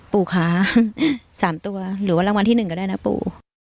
ปู่คะ๓ตัวหรือว่ารางวัลที่๑ก็ได้นะปู่